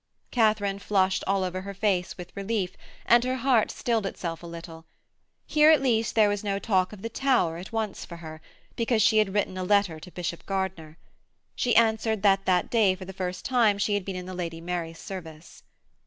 Katharine flushed all over her face with relief and her heart stilled itself a little. Here at least there was no talk of the Tower at once for her, because she had written a letter to Bishop Gardiner. She answered that that day for the first time she had been in the Lady Mary's service.